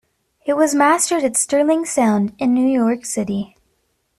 It was mastered at Sterling Sound in New York City.